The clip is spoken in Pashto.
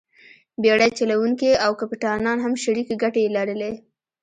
بېړۍ چلوونکي او کپټانان هم شریکې ګټې یې لرلې.